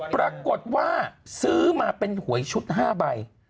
ปรากฏว่าซื้อมาเป็นหวยชุด๕ใบ